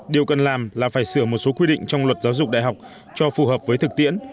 điều cần làm là phải sửa một số quy định trong luật giáo dục đại học cho phù hợp với thực tiễn